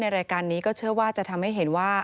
รายการนี้ก็เชื่อว่าจะทำให้เห็นว่า